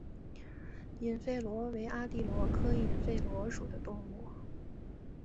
隐肺螺为阿地螺科隐肺螺属的动物。